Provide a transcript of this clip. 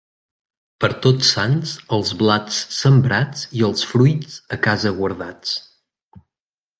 Per Tots Sants, els blats sembrats i els fruits a casa guardats.